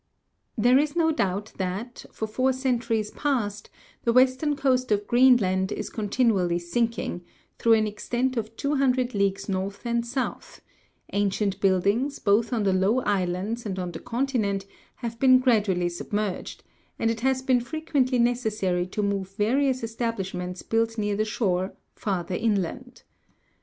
There is no doubt that, for four centuries past, the western coast of Greenland is continu ally sinking, through an extent of two hundred leagues north and south ; ancient buildings, both on the low islands and on the con tinent, have been gradually submerged ; and it has been frequently necessary to move various establishments built near the shore, farther inland.